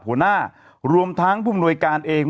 หัวหน้ารวมทั้งผู้มนวยการเอง